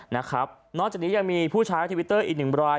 นอกจากนี้ยังมีผู้ใช้ทวิตเตอร์อีกหนึ่งราย